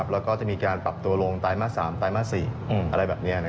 แล้วก็จะมีการปรับตัวลงไตรมาส๓ไตรมาส๔อะไรแบบนี้